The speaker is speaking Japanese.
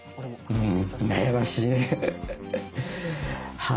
うん。